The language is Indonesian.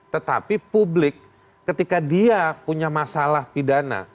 tetapi publik ketika dia punya masalah pidana